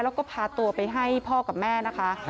แล้วก็พาตัวไปให้พ่อกับแม่นะคะ